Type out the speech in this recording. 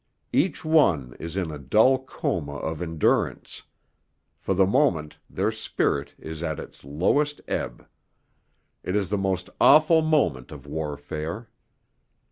Each one is in a dull coma of endurance; for the moment their spirit is at its lowest ebb; it is the most awful moment of warfare.